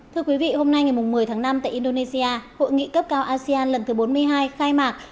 thưa quý vị hôm nay ngày một mươi tháng năm tại indonesia hội nghị cấp cao asean lần thứ bốn mươi hai khai mạc